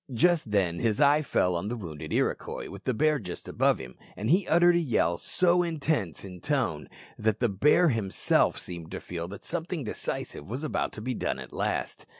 Just then his eye fell on the wounded Iroquois with the bear above him, and he uttered a yell so intense in tone that the bear himself seemed to feel that something decisive was about to be done at last.